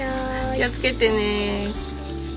気をつけてね。